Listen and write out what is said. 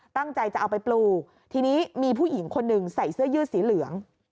ตั้งใจจะเอาไปปลูกทีนี้มีผู้หญิงคนหนึ่งใส่เสื้อยืดสีเหลือง